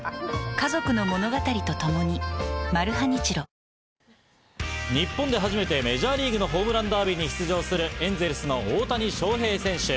現地のメディアは、日本で初めてメジャーリーグのホームランダービーに出場するエンゼルスの大谷翔平選手。